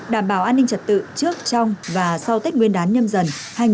đảm bảo an ninh trật tự trước trong và sau tết nguyên đán nhâm dần hai nghìn hai mươi bốn